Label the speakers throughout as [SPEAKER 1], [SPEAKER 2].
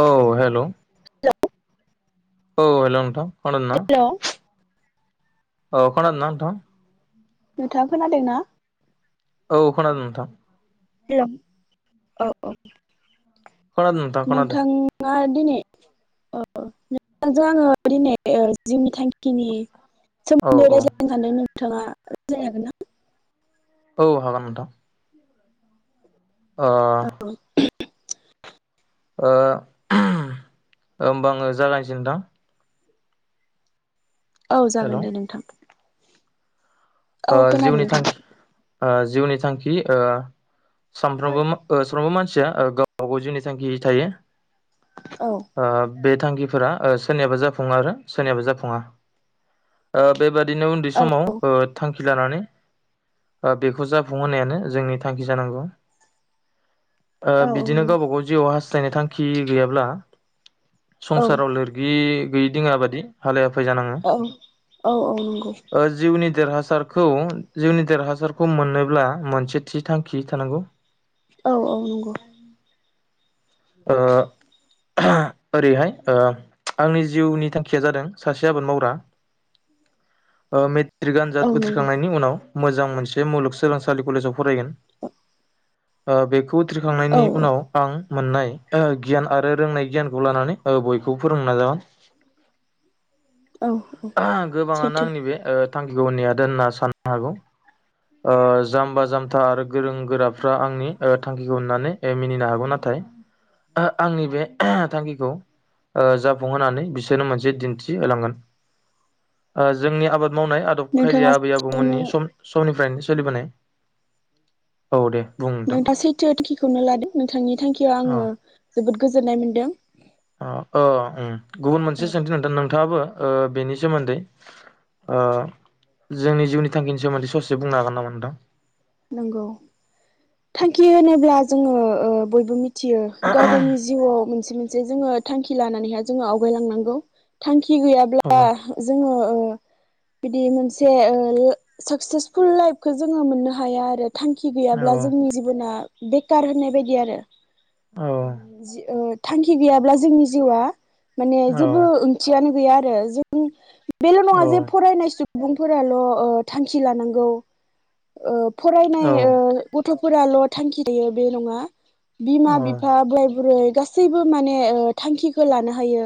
[SPEAKER 1] औ हेलौ। औ हेलौ नोंथां। खोनादों ना
[SPEAKER 2] हेल'
[SPEAKER 1] औ खोनादों ना नोंथां?
[SPEAKER 2] नोंथाङा खोनादोंना?
[SPEAKER 1] औ खोनादो नोंथां।
[SPEAKER 2] हेल' औ औ
[SPEAKER 1] खोनादों नोंथां खोनादों
[SPEAKER 2] नोंथाङा दिनै नों आङो दिनै जिउनि थांखिनि
[SPEAKER 1] औ
[SPEAKER 2] सोमोन्दै
[SPEAKER 1] औ
[SPEAKER 2] रायज्लायनो सानदों नोंथाङा रालाय हागोन ना?
[SPEAKER 1] औ हागोन नोंथां। ओ।
[SPEAKER 2] ना? [inaudible]
[SPEAKER 1] ओ होमबा आङो जागायसै नोंथां।
[SPEAKER 2] औ
[SPEAKER 1] हेल'
[SPEAKER 2] जागोन दे नोंथां। औ
[SPEAKER 1] ओ
[SPEAKER 2] खोनादों
[SPEAKER 1] जिउनि
[SPEAKER 2] नोंथां
[SPEAKER 1] थांखि ओ जिउनि बिथांखि ओ
[SPEAKER 2] औ
[SPEAKER 1] सानफ्रामबो ओ सानफ्रोमबो मान मानसिया गावबागाव जिउ थांखि थायो।
[SPEAKER 2] औ
[SPEAKER 1] बे थांखिफोरा सोरनियाबो जाफुङो आरो सोरनियाबो जाफुङा। ओ बेबा दिनो उन्दै समाव ओ थांखि लानानै बेखौ जाफुंहोनायानो जोंनि थांखि जानांगौ। ओ
[SPEAKER 2] औ
[SPEAKER 1] बिदिनो
[SPEAKER 2] नंगौ
[SPEAKER 1] गावबा गाव जिउ हास [unintelligible] थांखि गैयाब्ला
[SPEAKER 2] औ
[SPEAKER 1] संसाराव लोरगि गैयि दिंआ बादि हालाया [unintelligible]
[SPEAKER 2] औ औ औ नंगौ
[SPEAKER 1] ओ जिउनि देरहा हासारखौ जिउनि देरहासारखौ मोनोब्ला मोनसे थि थांखि थानांगौ।
[SPEAKER 2] औ औ नंगौ।
[SPEAKER 1] ओ ओरैहाय आंनि जिउनि थांखिया जादों सासे आबाद मावग्रा ओ मिथ ट्रिक
[SPEAKER 2] औ
[SPEAKER 1] आन्जाद
[SPEAKER 2] नंगौ
[SPEAKER 1] उथ्रिखांनायनि उनाव मोजां मोनसे मुलुगसोलोंसालि कलेजाव फरायगोन ओ बे
[SPEAKER 2] औ
[SPEAKER 1] खौउथ्रिखांनायनि उनाव आं मोननाय गियान आरो रोंनाय गियानखौ लानानै बयखौबो फोरोंनो नाजागोन।
[SPEAKER 2] औ औ
[SPEAKER 1] गोबाङानो
[SPEAKER 2] सैथो
[SPEAKER 1] आंनि बे ओ थांखिखौ होननायादों होनना साननो हागौ जाम्बा जाम्था आरो गोरों गोराफ्रा आंनि थांखिखौ होननानै मिनिनो हागौ नाथाय आंनि बे थांखिखौ जाफुंहोनानै बिसोरनो मोनसे दिन्थि होलांगोन ओ जोंनि आबाद मावनाय आदब
[SPEAKER 2] नोंथाङा
[SPEAKER 1] खायदाया आबै
[SPEAKER 2] सैथोखौनो
[SPEAKER 1] आबौमोननि सम समनिफ्रायनो सोलिबोनाय औ दे। बुं नोंथां
[SPEAKER 2] नोंथाङ सैथो थांखिखौनो लादों नोंथांनि थांखियाव
[SPEAKER 1] अ
[SPEAKER 2] आङो जोबोद गोजोननाय मोनदों
[SPEAKER 1] अ अ उम गुबुन मोनसे
[SPEAKER 2] औ
[SPEAKER 1] सोंथि नोंथां नोंथाङाबो ओ बेनि सोमोन्दै ओ जोंनि जिउनि थांखिनि सोमोन्दै ससे बुंनो हागोन नामा नोंथां
[SPEAKER 2] नोंगौ थांखि होनोब्ला जोङो ओ बयबो मिथ थियो गाव गावनि जिउआव मोनसे मोनसे जोङो थांखि लानानै हाय जोङो आवगायलांनांगौ थांखि खि
[SPEAKER 1] औ
[SPEAKER 2] गैयाब्ला जोङो ओ बिदि मोनसे ओ साकसेसफुल लाइफखौ जोङो मोननो हा हाया आरो थांखि गैयाब्ला जोंनि जिबना बेखार होननाय बेबायदि आरो।
[SPEAKER 1] औ
[SPEAKER 2] जि ओ थांखि गैयाब्ला जोंनि जिउआ माने
[SPEAKER 1] औ
[SPEAKER 2] जेबो ओंथियानो गैया जों बेल
[SPEAKER 1] औ
[SPEAKER 2] नङा जे फरायनाय सु बुंफोराल' ओ थांखि लानांगौ ओ फरायनाय ओ थफोराल थांखि थायो बे नङा
[SPEAKER 1] औ
[SPEAKER 2] बिमा बिफा बोराय बुरै गासैबो माने ओ थांखिखौ लानो हायो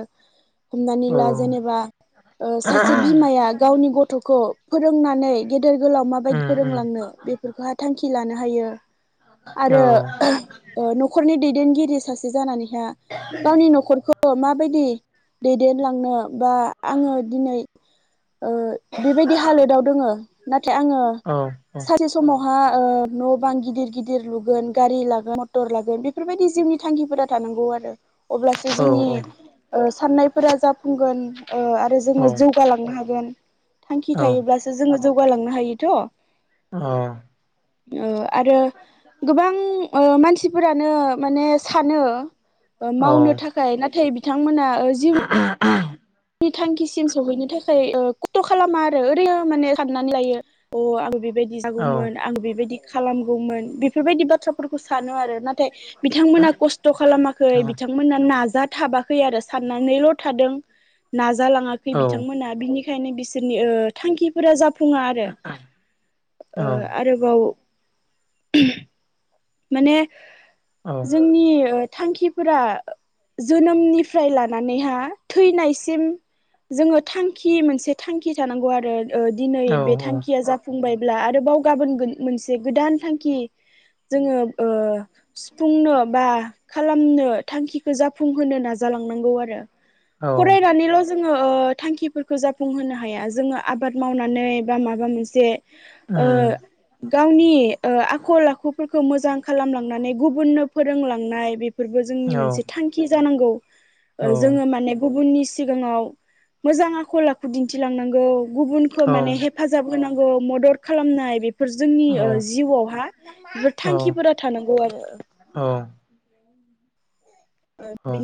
[SPEAKER 2] हमनानै
[SPEAKER 1] औ
[SPEAKER 2] ला जेनेबा ओ सासे बिमाया गावनि गथखौ फोरोंनानै गेदेर गोलाव
[SPEAKER 1] उम
[SPEAKER 2] माबायदि
[SPEAKER 1] उम
[SPEAKER 2] फोरोंलांनो बेफोरखौहा थांखि लानो हायो।
[SPEAKER 1] औ
[SPEAKER 2] आरो नखरनि ओ दैदेनगि बियो सासे जानानैहा गावनि नखरखो माबायदि दैदेनलांनो बा आङो दिनै ओ बेबायदि हालोदाव दङ ना फ्राय आङो
[SPEAKER 1] औ औ
[SPEAKER 2] थि समावहा ओ न बां गिदिर गिदिर लुगोन गारि लागोन मटर लागोन बेफोरबायदि जिउनि थांखिफोरा थानांगौ आरो अब्लासो
[SPEAKER 1] औ
[SPEAKER 2] जोंनि
[SPEAKER 1] औ
[SPEAKER 2] ओ साननायफोरा जाफुंगोन ओ आरो
[SPEAKER 1] औ
[SPEAKER 2] जोंङो जौगालांनो हागोन। थांखि थायोब्लासो जोंङो जौगालांनो हायोथ ओ आरो गोबां ओ मानसिफोरानो माने सानो ओ मावनो थाखाय नाथाय बिथांमोना ओ जिउ थांखिसिम सौहैनो थाखाय ओ कत खालामा आरो ओरैनो माने साननानै लायो औ आं बेबाय जागौमोन आं बेबायदि खालामगौमोन बेफोरबायदि बाथ्राफोरखौ सानो आरो नाथाय बिथांमोना खस्थ खालामाखै बिथांमोना नाजाथाबाखै आरो साननानैल थादों। नाजालाङाखै
[SPEAKER 1] औ
[SPEAKER 2] बिथांमोना बिनिखायनो बिसोरनि ओ थांखिफोरा जाफुङा आरो ओ आरोबाव [inaudible] माने जोंनि थांखिफोरा जोनोमनिफ्राय लानानैहा थैनायसिम जोंङो थांखि मोनसे थांखि थानांगौ आरो ओ दिनै बे
[SPEAKER 1] औ औ
[SPEAKER 2] थांखिया जाफुंबायब्ला आरोबाव गाबोन गो मोनसे गोदान थांखि जोंङो ओ सुफुंनो बा खालामनो थांखिखौ जाफुंहोनो नाजालांनांगौ आरो
[SPEAKER 1] औ
[SPEAKER 2] फराय नानैल जोंङो ओ थांखिफोरखौ जाफुंहोनो हाया जोंङो आबाद मावनानै बा माबा मोनसे ओ
[SPEAKER 1] उम।
[SPEAKER 2] गावनि ओ आखल आखु फोरखौ मोजां खालामलांनानै गुबुननो फोरोंलांनाय बेफोरबो जोंनि मोनसे थांखि जानांगौ। जोंङो माने गुबुननि सिगाङाव मोजां आखल आखु दिन्थिलांनांगौ गुबुनखो माने हेफाजाब होनां गौ मदद खालामनाय बे फोर जोंनि ओ जिउआवहा थांखिफोरा थानांगौ आरो ओ बि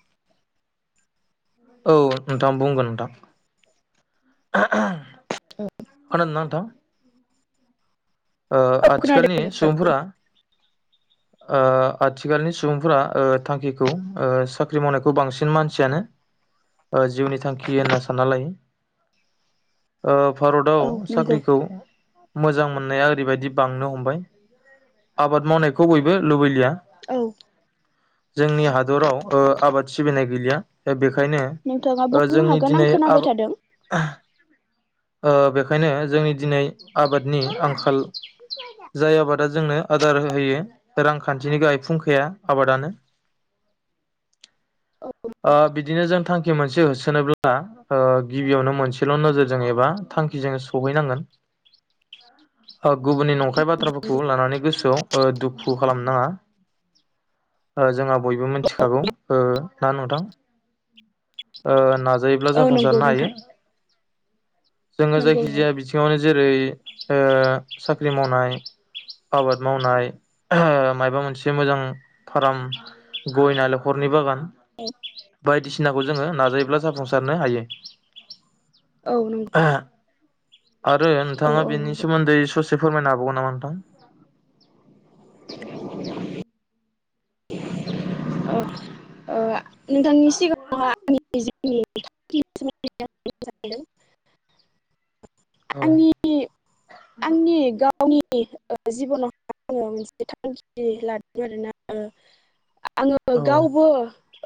[SPEAKER 2] [unintelligible] [inaudible]
[SPEAKER 1] औ नोंथां बुंगोन नोंथां खोनादोना नोंथां? ओ
[SPEAKER 2] खोनादों
[SPEAKER 1] आथिखालनि सुबुंफोरा ओ आथिखालनि सुबुंफोरा ओ थांखिखौ ओ साख्रि मावनायखौ बांसिन मानसियानो ओ जिउनि थांखि होनना सानना लायो। ओ भारतदाव
[SPEAKER 2] औ नंगौ
[SPEAKER 1] साख्रिखौ मोजां मोननाया ओरैबायदि बांनो हमबाय आबाद मावनाय खौ बयबो लुबैलिया
[SPEAKER 2] औ
[SPEAKER 1] जोंनि हादराव ओ आबाद सिबिनाय गैलिया दा बे
[SPEAKER 2] नोंथाङा बुंनो हागोन आं
[SPEAKER 1] आबा
[SPEAKER 2] खोनाबाय थादों
[SPEAKER 1] ओ बेखायनो जोंनि दिनै आबादनि आंखाल जाय आबादा जोंनो आदार हो होयो रांखान्थिनि गाहाय फुंखाया आबादानो ओ बिदिनो जों थां खि मोनसे होसोनोबब्ला ओ गिबियावनो मोनसेल नोजोरजों एबा थांखिजों सहैनांगोन। ओ गुबुननि नंखाय बाथ्राफोरखौ लानानै गोसोआव ओ दुखु। बु खालामनो नाङा ओ जोङा बयबो मोनथिखागौ ओ ना नोंथां। ओ नाज जायोब्ला
[SPEAKER 2] औ नंगौ
[SPEAKER 1] जाफुंसारनो हायो।
[SPEAKER 2] नोंथां
[SPEAKER 1] जोङो
[SPEAKER 2] नंगौ
[SPEAKER 1] जायखि
[SPEAKER 2] नंगौ
[SPEAKER 1] जाया बिथिङावनो जेरै ओ साख्रि मावनाय आबाद मावनाय। [unintelligible] मायबा मोनसे मोजां फार्म गय नालेंखरनि बागान।
[SPEAKER 2] औ [unintelligible]
[SPEAKER 1] बायदिसिनाखौ जोङो नाजायोब्ला जाफुंसारनो हायो।
[SPEAKER 2] औ नं
[SPEAKER 1] आरो नोंथाङा बेनि सोमोन्दै ससे फोरमायनो हाबावगौ नामा नोंथां।
[SPEAKER 2] [unintelligible] ओ ओ नोंथांनि सिगाङाव
[SPEAKER 1] औ
[SPEAKER 2] [unintelligible] [unintelligible] [inaudible] आंनि गाव। [unintelligible] आङो
[SPEAKER 1] औ
[SPEAKER 2] गावबो।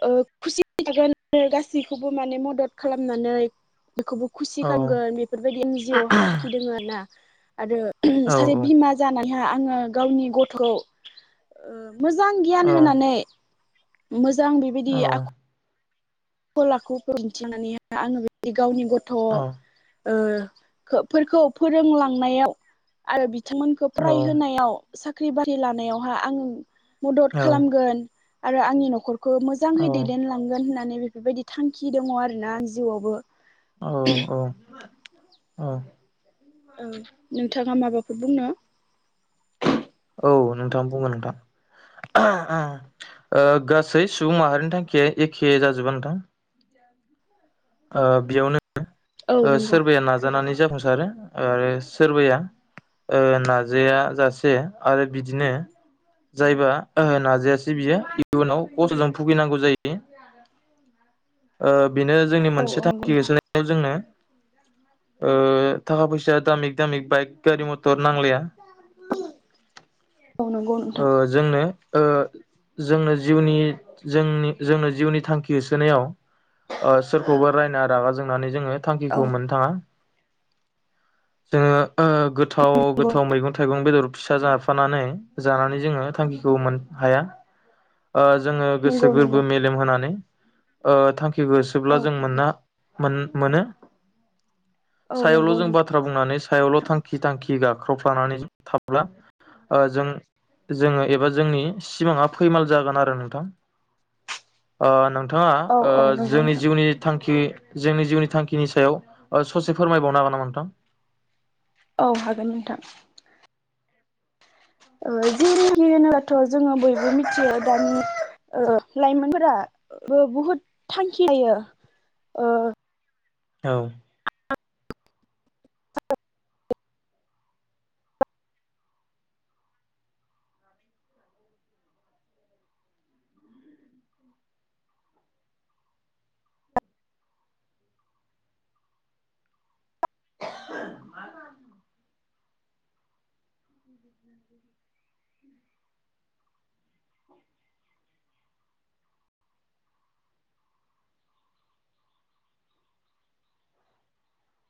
[SPEAKER 2] आ खुसि था-गोन आरो गासैखौबो माने मदद खालामनानै। बेखौबो खुसि
[SPEAKER 1] औ
[SPEAKER 2] खालामगोन बेफोरबायदि आंनि जिवावहा थाखि दङ आरो ना। [unintelligible] आरो सारे
[SPEAKER 1] औ
[SPEAKER 2] बिमा जाना हा ङो गावनि गथखौ मोजां गियान
[SPEAKER 1] औ
[SPEAKER 2] होनानै। मोज जां बिबायदि आख गलाखौन्थिनानैाय आङो बे गावनि गथ'
[SPEAKER 1] औ
[SPEAKER 2] आ खो-फोरखौ फोरोंलांनायाव आरो बि [unintelligible] मोनखौ
[SPEAKER 1] औ
[SPEAKER 2] फराय होनायाव सा खै बारि लानायावहा आं। मदद
[SPEAKER 1] औ
[SPEAKER 2] खालामगोन आरो आंनि नखर बो
[SPEAKER 1] औ
[SPEAKER 2] मोजाङै दैदेनलांगोन होननानै बेबायदि थांखि दङ आरोना आंनि जिउआवबो
[SPEAKER 1] औ औ औ
[SPEAKER 2] औ नोंथाङा माबाफोर बुंनो
[SPEAKER 1] औ नोंथां बुंगोन नोंथां ओह आह ओ गासै सुबुं माहारिनि थांखिया एखे जाजोबा नोंथां ओ बियावनो
[SPEAKER 2] औ
[SPEAKER 1] ओ
[SPEAKER 2] नंगौ
[SPEAKER 1] सोरबाया नाजानानै जाफुंसा आरो आरो सोरबाया ओ नाजायाजासे आरो बिदिनो जायबा ओहो नाजायासै बियो इयुनाव खस्तजों भुगि नांगौ जायो ओ बिनो जोंनि
[SPEAKER 2] औ
[SPEAKER 1] मोनसे
[SPEAKER 2] औ नंगौ
[SPEAKER 1] थांखि
[SPEAKER 2] नोंथां
[SPEAKER 1] होसोनायाव जोंनो ओ थाखा फैसा दामिक दामिक बाइक गारि मटर नांलाया
[SPEAKER 2] औ नंगौ
[SPEAKER 1] ओ
[SPEAKER 2] नोंथां
[SPEAKER 1] जोंनो ओ जोंनो जिउनि जोंनि जोंनो जिउनि थांखि होसोनायाव ओ सोरखौबा रायना रागा जोंनानै जोङो
[SPEAKER 2] औ
[SPEAKER 1] थांखिखौ मोननो थाङा। जोङो ओ गोथाव
[SPEAKER 2] नंगौ
[SPEAKER 1] गोथाव मैगं थाइगं बेदर फिसा जा फानानै जानानै जोङो थांखिखौ मोन हाया ओ जोङो
[SPEAKER 2] नंगौ
[SPEAKER 1] गोसो गोरबो
[SPEAKER 2] नंगौ
[SPEAKER 1] मेलेम होनानै। ओ थांखिबो जोबब्ला
[SPEAKER 2] औ
[SPEAKER 1] जों
[SPEAKER 2] नंगौ
[SPEAKER 1] मोनना मोन मोनो
[SPEAKER 2] औ
[SPEAKER 1] सायावल'
[SPEAKER 2] नंगौ
[SPEAKER 1] जों
[SPEAKER 2] नोंथां
[SPEAKER 1] बाथ्रा बुंनानै सायावल' थांखि थांखि गाब होख्रावफ्लानानै थाब्ला ओ जों जोङो एबा जोंनि सिमाङा फैमाल जागोन आरो नोंथां ओ नों थाङा
[SPEAKER 2] औ
[SPEAKER 1] ओ
[SPEAKER 2] औ नंगौ
[SPEAKER 1] जोंनि
[SPEAKER 2] नोंथां
[SPEAKER 1] जि थांखि जोंनि जिउनि थांखिनि सायाव ओ ससे फोरमायबावनो हागोन नामा नोंथां?
[SPEAKER 2] औ हागोन नोंथां ओ जिउनि थांखि होनोबाथ' जोङो बयबो मिथियो दानि ओ लाइमोनफोरा बुहुद थांखि लायो ओ
[SPEAKER 1] औ। [inaudible]